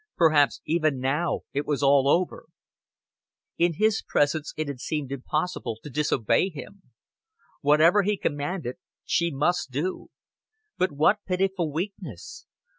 Perhaps even now it was all over. In his presence it had seemed impossible to disobey him. Whatever he commanded she must do. But what pitiful weakness!